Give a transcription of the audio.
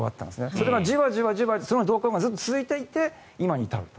それがじわじわとその動向が続いていて今に至ると。